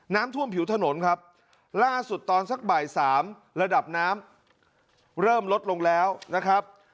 น้ำท่วมผิวถนนครับล่าสุดตอนสักบ่ายสามระดับน้ำเริ่มลดลงแล้วนะครับ